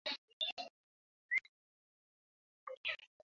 তোমার লেজারটা আমার ভালো লেগেছে।